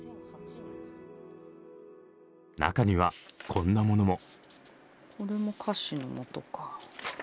中にはこんなものも。